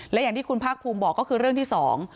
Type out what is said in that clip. และอย่างที่คุณภาคภูมิบอกก็คือเรื่องที่สอง